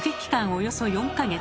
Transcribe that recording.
およそ４か月。